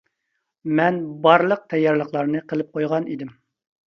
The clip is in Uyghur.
مەن بارلىق تەييارلىقلارنى قىلىپ قويغان ئىدىم.